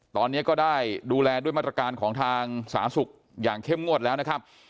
ตอนนี้ก็ได้ดูแลด้วยมาตรการของทางสาธารณสุขอย่างเข้มงวดแล้วนะครับ